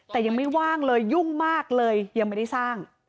แต่ยังไม่ว่างเลยยุ่งมากเลยยังไม่ได้สร้าง